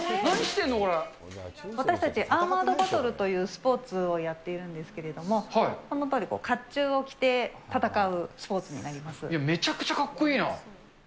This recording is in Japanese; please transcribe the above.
私たち、アーマードバトルというスポーツをやっているんですけれども、このとおり、かっちゅめちゃくちゃかっこいいな。